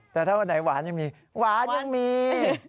แต่ถ้าวันไหนหวานยังมีหวานยังมี